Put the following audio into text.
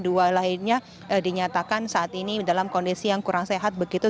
dua lainnya dinyatakan saat ini dalam kondisi yang kurang sehat begitu